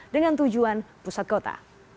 dengan tujuan pusat kota